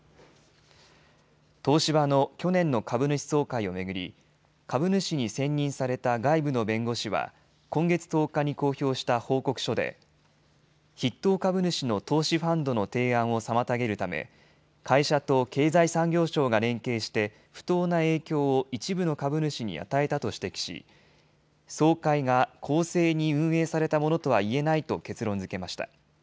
東芝の去年の株主総会を巡り株主に選任された外部の弁護士は今月１０日に公表した報告書で筆頭株主の投資ファンドの提案を妨げるため会社と経済産業省が連携して不当な影響を一部の株主に与えたと指摘し総会が公正に運営されたものとは言えないと結論づけました。